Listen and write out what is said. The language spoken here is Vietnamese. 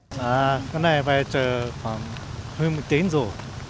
cái này phải chờ khoảng hơn một tiếng rồi